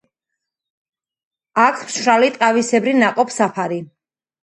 აქვს მშრალი ტყავისებრი ნაყოფსაფარი.